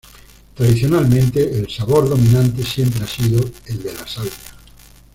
Tradicionalmente el sabor dominante siempre ha sido el de la salvia.